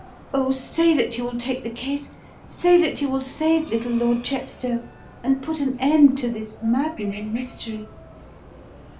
Oh, say that you will take the case, say that you will save little Lord Chepstow and put an end to this maddening mystery!"